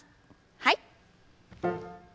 はい。